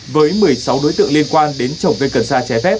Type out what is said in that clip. với một mươi sáu đối tượng liên quan đến trồng cây cần sa trái phép